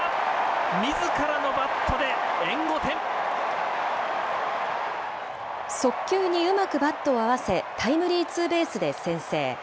みずからのバットで、速球にうまくバットを合わせ、タイムリーツーベースで先制。